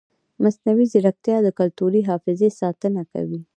مصنوعي ځیرکتیا د کلتوري حافظې ساتنه کوي.